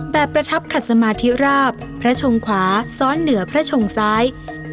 ประทับขัดสมาธิราบพระชงขวาซ้อนเหนือพระชงซ้าย